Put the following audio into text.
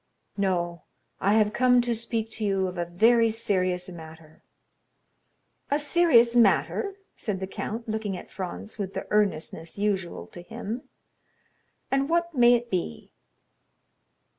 "No; I have come to speak to you of a very serious matter." "A serious matter," said the count, looking at Franz with the earnestness usual to him; "and what may it be?"